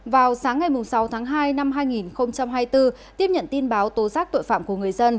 vào sáng ngày sáu tháng hai năm hai nghìn hai mươi bốn tiếp nhận tin báo tố giác tội phạm của người dân